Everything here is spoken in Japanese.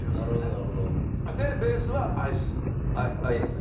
でベースはアイス。